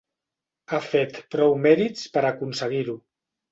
Ha fet prou mèrits per aconseguir-ho.